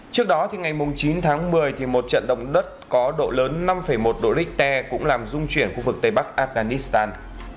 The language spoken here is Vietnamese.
trước đó ngày chín tháng một mươi một trận động đất có độ lớn năm một độ richter cũng làm dung chuyển khu vực tây bắc afghanistan